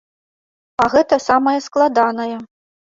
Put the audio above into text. А гэта самае складанае.